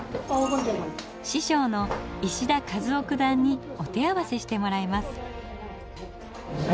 師匠の石田和雄九段にお手合わせしてもらいます。